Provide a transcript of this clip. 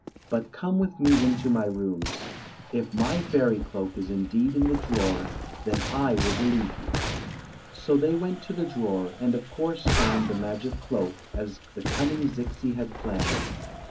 But come with me into my rooms. If my fairy cloak is indeed in the drawer, then I will believe you." So they went to the drawer, and of course found the magic cloak, as the cunning Zixi had planned.